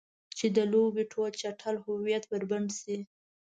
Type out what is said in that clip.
چې د لوبې ټول چټل هویت بربنډ شي.